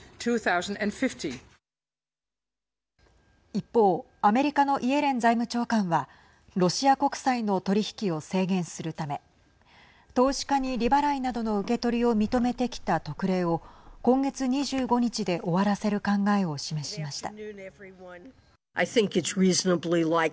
一方、アメリカのイエレン財務長官はロシア国債の取り引きを制限するため投資家に利払いなどの受け取りを認めてきた特例を今月２５日で終わらせる考えを示しました。